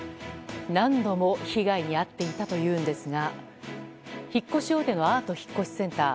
何度も被害に遭っていたというんですが引っ越し大手のアート引越センター。